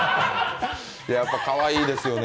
やっぱかわいいですよね。